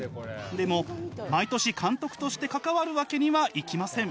でも毎年、監督として関わるわけにはいきません。